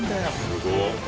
すごっ！